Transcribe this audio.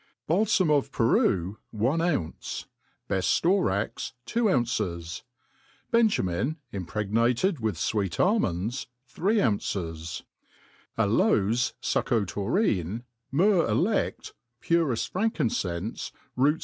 BALSAM of Peru, one ounce ^ bcft ftorax, two ounces j benjamin, impregnated with fweet almonds, three ounces \. aloes Succotori/ie, myrrh eleA, pureft frankincenfe, ropts.